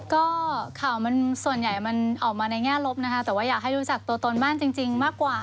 ก็ข่าวมันส่วนใหญ่มันออกมาในแง่ลบนะคะแต่ว่าอยากให้รู้จักตัวตนมากจริงมากกว่า